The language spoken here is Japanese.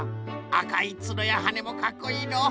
あかいつのやはねもかっこいいのう。